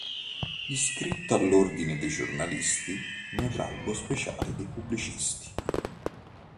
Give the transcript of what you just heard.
Iscritto all’ordine dei giornalisti, nell’albo speciale dei pubblicisti.